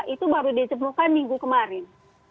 itu baru ditemukan minggu kemarin